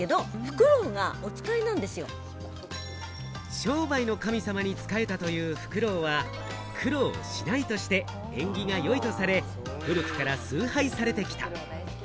商売の神様に仕えたというフクロウは、「苦労しない」として縁起が良いとされ、古くから崇拝されてきた。